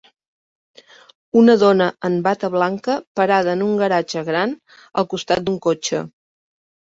Una dona en bata blanca parada en un garatge gran al costat d'un cotxe.